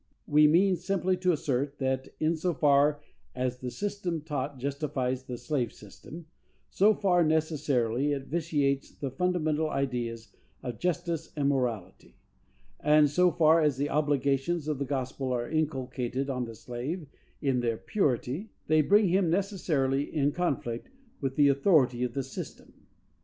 We mean simply to assert that, in so far as the system taught justifies the slave system, so far necessarily it vitiates the fundamental ideas of justice and morality; and, so far as the obligations of the gospel are inculcated on the slave in their purity, they bring him necessarily in conflict with the authority of the system.